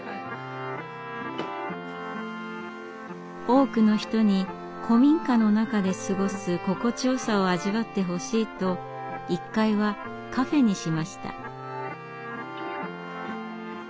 多くの人に古民家の中で過ごす心地よさを味わってほしいと１階はカフェにしました。